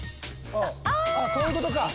そういうことか！